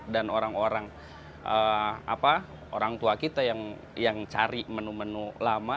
dan orang orang apa orang tua kita yang cari menu menu lama